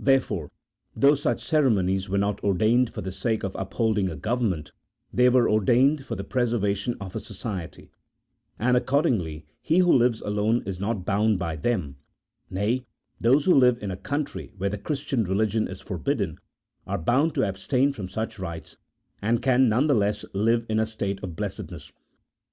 Therefore, though such ceremonies were not or dained for the sake of upholding a government, they were ordained for the preservation of a society, and accordingly he who lives alone is not bound by them : nay, those who live in a country where the Christian religion is forbidden, are bound to abstain from such rites, and can none the less live in a state of blessedness.